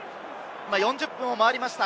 ４０分を回りました。